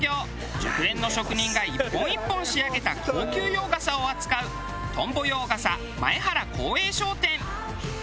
熟練の職人が一本一本仕上げた高級洋傘を扱うトンボ洋傘前原光榮商店。